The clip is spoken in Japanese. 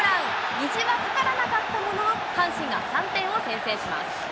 虹は架からなかったものの、阪神が３点を先制します。